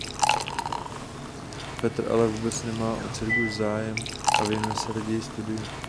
Petr ale vůbec nemá o cirkus zájem a věnuje se raději studiu.